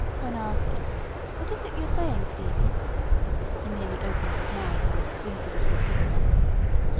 When asked "What is it you're saying, Stevie?" he merely opened his mouth, and squinted at his sister.